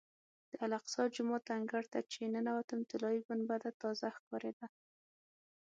د الاقصی جومات انګړ ته چې ننوتم طلایي ګنبده تازه ښکارېده.